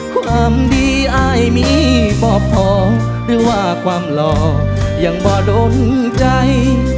ความดีอ้ายมีป็อบพอแรกว่าความล่อยังบ่อด้นใจ